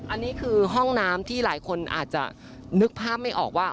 อันนี้คือห้องน้ำที่หลายคนอาจจะนึกภาพไม่ออกว่า